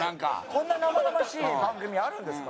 こんな生々しい番組あるんですか？